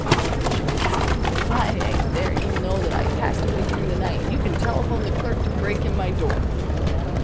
shouted Sam. "If I ain't there, you'll know that I passed away during the night, and you can telephone the clerk to break in my door."